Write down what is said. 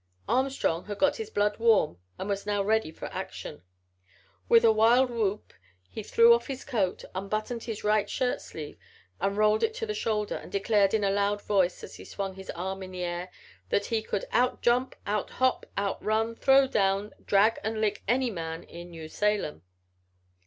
Armstrong had got his blood warm and was now ready for action. With a wild whoop he threw off his coat, unbuttoned his right shirtsleeve and rolled it to the shoulder and declared in a loud voice, as he swung his arm in the air, that he could "outjump, outhop, outrun, throw down, drag out an' lick any man in New Salem."